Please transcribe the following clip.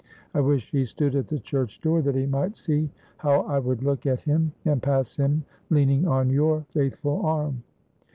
I wish he stood at the church door, that he might see how I would look at him and pass him leaning on your faithful arm."